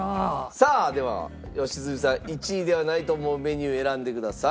さあでは良純さん１位ではないと思うメニュー選んでください。